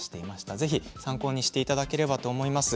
ぜひ参考にしていただければと思います。